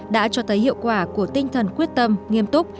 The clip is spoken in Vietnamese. đã cho thấy hiệu quả của tinh thần quyết tâm nghiêm túc